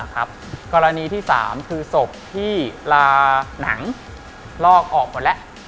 กรณีที่๓คือศพที่ลาหนังลอกออกหมดแล้ว